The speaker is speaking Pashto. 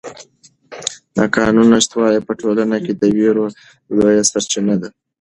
د قانون نشتوالی په ټولنه کې د وېرو لویه سرچینه ده.